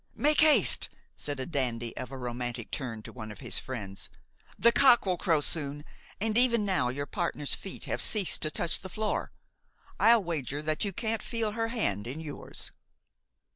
"Make haste," said a dandy of a romantic turn to one of his friends; "the cock will crow soon, and even now your partner's feet have ceased to touch the floor. I'll wager that you can't feel her hand in yours."